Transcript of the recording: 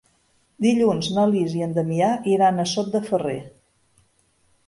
Dilluns na Lis i en Damià iran a Sot de Ferrer.